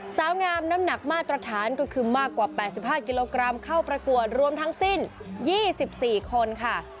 สาวงามน้ำหนักมาตรฐานก็คือมากกว่า๘๕กิโลกรัมเข้าประกวดรวมทั้งสิ้น๒๔คนค่ะ